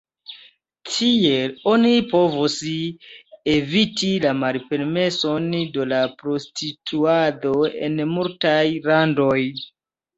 Tiel oni povas eviti la malpermeson de la prostituado en multaj landoj.